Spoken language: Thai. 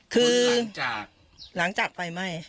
คือหลังจากไฟไหม้